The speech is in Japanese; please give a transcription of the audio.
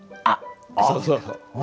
そうそうそう。